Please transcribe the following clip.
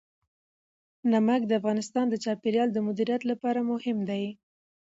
نمک د افغانستان د چاپیریال د مدیریت لپاره مهم دي.